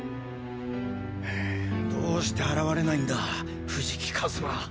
どうして現れないんだ藤木一馬。